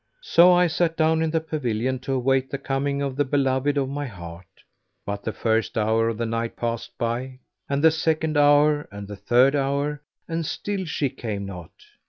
So I sat down in the pavilion to await the coming of the beloved of my heart; but the first hour of the night passed by, and the second hour, and the third hour, and still she came not.